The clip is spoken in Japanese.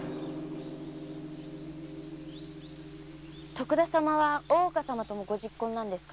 徳田様は大岡様ともご昵懇なんですか？